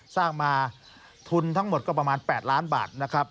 สร้างมาทุนทั้งหมดก็ประมาณ๘ล้านบาทนะครับ